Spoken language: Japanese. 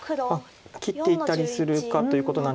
切っていったりするかということなんですけど。